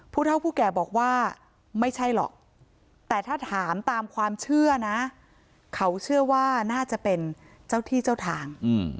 ผู้เท่าผู้แก่บอกว่าไม่ใช่หรอกแต่ถ้าถามตามความเชื่อนะเขาเชื่อว่าน่าจะเป็นเจ้าที่เจ้าทาง